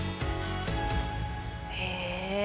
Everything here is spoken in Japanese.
へえ。